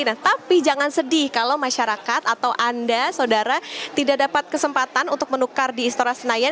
nah tapi jangan sedih kalau masyarakat atau anda saudara tidak dapat kesempatan untuk menukar di istora senayan